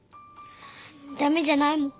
駄目じゃないもん。